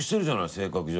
性格上。